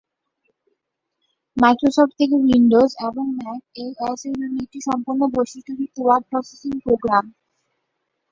Microsoft থেকে Windows এবং Mac ওএস-এর জন্য একটি সম্পূর্ণ বৈশিষ্ট্যযুক্ত ওয়ার্ড প্রসেসিং প্রোগ্রাম।